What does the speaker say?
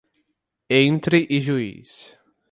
Entre Ijuís